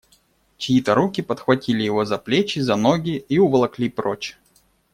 Чьи-то руки подхватили его за плечи, за ноги и уволокли прочь.